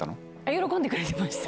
喜んでくれてました。